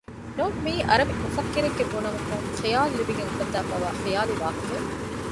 ނޯޓު މިއީ އަރަބި މުފައްކިރެއްގެ ބުނުމަކުން ޚިޔާލު ލިބިގެން އުފައްދައިފައިވާ ޚިޔާލީ ވާހަކައެއް